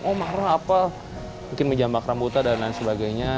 oh marah apa mungkin menjambak rambutan dan lain sebagainya